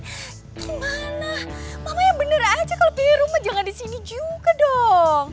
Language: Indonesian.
gimana mama yang bener aja kalau pilih rumah jangan di sini juga dong